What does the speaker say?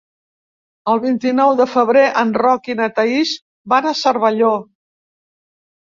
El vint-i-nou de febrer en Roc i na Thaís van a Cervelló.